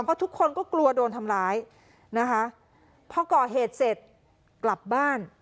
เพราะทุกคนก็กลัวโดนทำร้ายนะคะพอก่อเหตุเสร็จกลับบ้าน